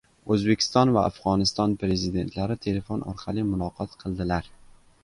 O‘zbekiston va Afg‘oniston Prezidentlari telefon orqali muloqot qildilar